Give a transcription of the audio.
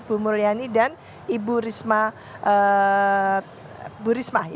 bu mulyani dan ibu risma